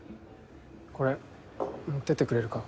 これ持ってってくれるか？